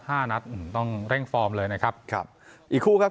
ห้านัดอืมต้องเร่งฟอร์มเลยนะครับครับอีกคู่ครับ